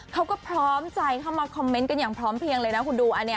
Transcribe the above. เขาก็พร้อมใจเข้ามาคอมเมนต์กันอย่างพร้อมเพียงเลยนะคุณดู